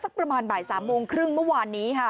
ประมาณบ่าย๓โมงครึ่งเมื่อวานนี้ค่ะ